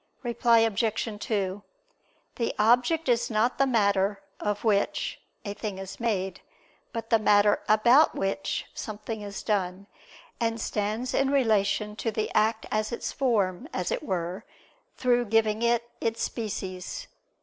Reply Obj. 2: The object is not the matter "of which" (a thing is made), but the matter "about which" (something is done); and stands in relation to the act as its form, as it were, through giving it its species.